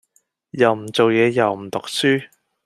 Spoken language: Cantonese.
又唔做嘢又唔讀書